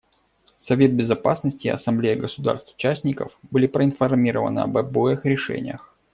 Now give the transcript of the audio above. Совет Безопасности и Ассамблея государств-участников были проинформированы об обоих решениях.